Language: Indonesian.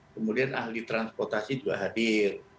kemudian ahli transportasi juga hadir